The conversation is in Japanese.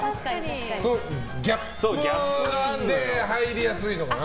ギャップで入りやすいかもな。